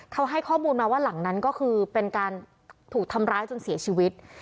เขาให้ข้อมูลมาว่าหลังนั้นก็คือเป็นการถูกทำร้ายจนเสียชีวิต